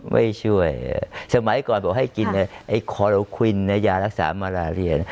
ไม่ช่วยสมัยก่อนบอกให้กินไอ้คอโลควินยารักษามาราเรียน